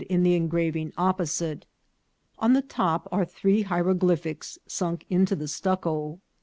311 in the engraving opposite. On the top are three hiero glyphics sunk in the stucco.